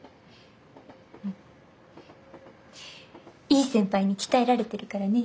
いい先輩に鍛えられてるからね。